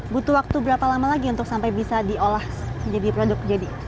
butuh waktu berapa lama lagi untuk sampai bisa diolah menjadi produk jadi